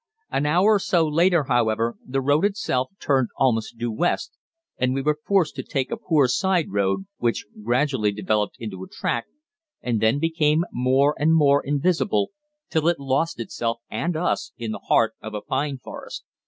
An hour or so later, however, the road itself turned almost due west, and we were forced to take a poor side road, which gradually developed into a track and then became more and more invisible till it lost itself and us in the heart of a pine forest.